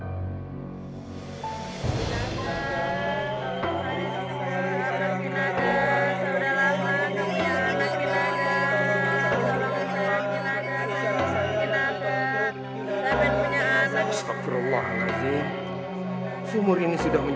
otedara patrick dan businessman